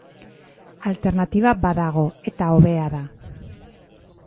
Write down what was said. Alternatiba badago, eta hobea da.